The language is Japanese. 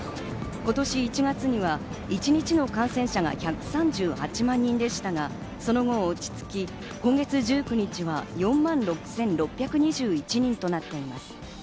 今年１月には一日の感染者が１３８万人でしたが、その後、落ち着き、今月１９日は４万６６２１人となっています。